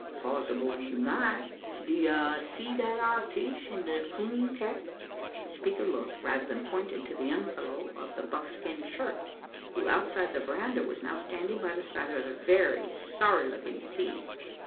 Possible you might. D'ye see that ar case in the coon cap?" The speaker looked, rather than pointed, to the young fellow of the buckskin shirt; who, outside the verandah, was now standing by the side of a very sorry looking steed.